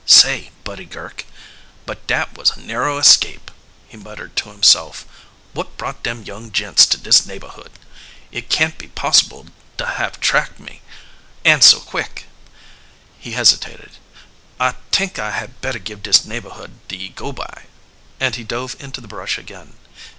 "Say, Buddy Girk, but dat was a narrow escape," he muttered to himself. "Wot brought dem young gents to dis neighborhood? It can't be possible da have tracked me an' so quick." He hesitated. "I t'ink I had better give dis neighborhood de go by," and he dove into the brush again.